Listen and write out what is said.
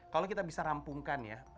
kalau kita bisa rampungkan ya